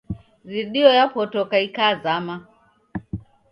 Redio yapotoka ikazama